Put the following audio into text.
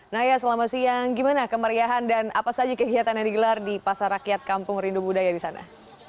naya selamat siang gimana kemeriahan dan apa saja kegiatan yang digelar di pasar rakyat kampung rindu budaya di sana